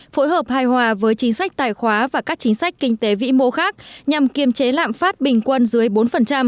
phối hợp hài hòa với chính sách tài khoá và các chính sách kinh tế vĩ mô khác nhằm kiềm chế lạm phát bình quân dưới bốn